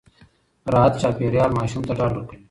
راحت چاپېريال ماشوم ته ډاډ ورکوي.